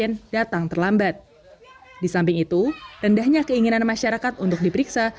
kesulitan saat menjalani isolasi